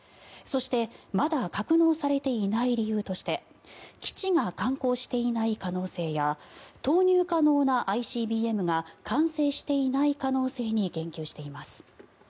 そしてまだ格納されていない理由として基地が完工していない可能性や投入可能なＩＣＢＭが完成していない可能性に言及しています。